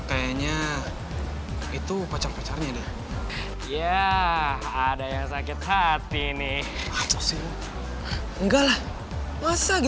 tadi di kamar mandi ada yang ngajakin refah kembali